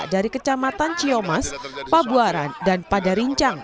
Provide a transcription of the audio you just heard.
dari kecamatan cio mas pabuaran dan padarincang